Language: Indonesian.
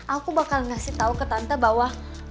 aku bakal ngasih tau ke tante bahwa